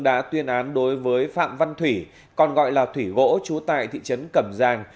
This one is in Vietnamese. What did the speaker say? đã tuyên án đối với phạm văn thủy còn gọi là thủy gỗ trú tại thị trấn cẩm giang